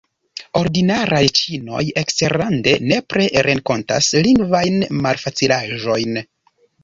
Ordinaraj ĉinoj eksterlande nepre renkontas lingvajn malfacilaĵojn.